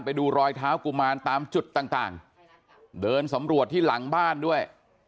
ไปดูรอยเท้ากุมารตามจุดต่างเดินสำรวจที่หลังบ้านด้วย